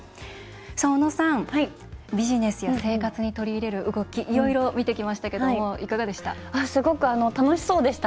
おのさんビジネスや生活に取り入れる動きいろいろ見てきましたけれどもいかがでした？